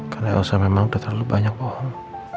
karena elsa memang udah terlalu banyak bohong